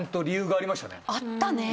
あったねぇ！